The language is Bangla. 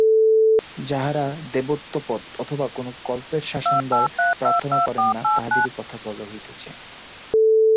যাঁহারা দেবত্বপদ অথবা কোন কল্পের শাসনভার প্রার্থনা করেন না, তাঁহাদেরই কথা বলা হইতেছে।